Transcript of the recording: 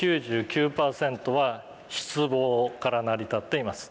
９９％は失望から成り立っています。